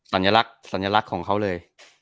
สัญลักษณ์สัญลักษณ์ของเขาเลย